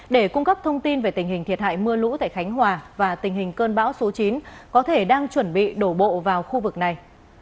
để cung cấp thông tin về tình hình thiệt hại mưa lũ tại khánh hòa và tình hình cơn bão số chín có thể đang chuẩn bị đổ bộ vào khu vực này